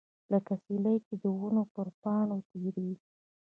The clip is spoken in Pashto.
لکه سیلۍ چې د ونو پر پاڼو تیریږي.